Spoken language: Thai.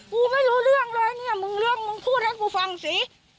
กูไม่รู้เรื่องเลยเนี่ยมึงเรื่องมึงพูดให้กูฟังสิ